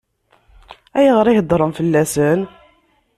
Ayɣer i heddṛen fell-asen?